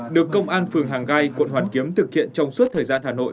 được công an phường hàng gai quận hoàn kiếm thực hiện trong suốt thời gian hà nội